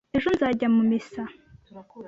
Ejo nzajya mu misa